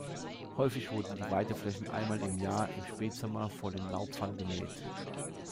Häufig wurden die Weideflächen einmal im Jahr im Spätsommer vor dem Laubfall gemäht.